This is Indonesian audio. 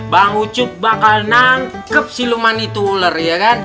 bang ucup bakal nangkep si lumani tuler ya kan